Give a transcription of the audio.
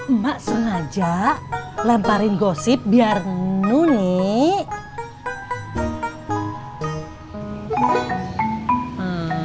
emak sengaja lemparin gosip biar nunik